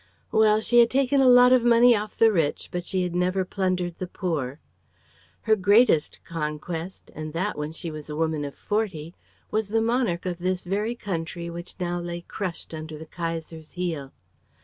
Well! she had taken a lot of money off the rich, but she had never plundered the poor. Her greatest conquest and that when she was a woman of forty was the monarch of this very country which now lay crushed under the Kaiser's heel.